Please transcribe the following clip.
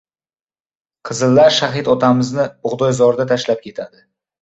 Qizillar shahid otamizni bug‘doyzorda tashlab ketadi.